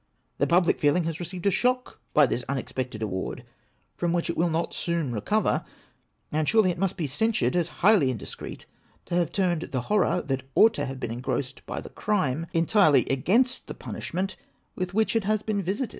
The public feeling has received a shock by this unexpected award, from which it will not soon recover ; and surely it must be censured as highly indiscreet, to have turned the horror that ought to have been engrossed by the crime, entirely against the punishment with which it has been visited.